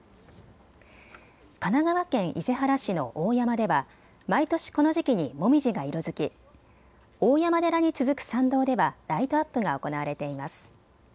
神奈川県伊勢原市の大山では毎年、この時期にもみじが色づき大山寺に続く参道ではライトアップが行われています。